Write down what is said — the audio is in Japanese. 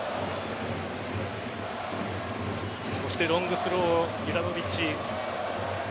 そしてロングスローユラノヴィッチ。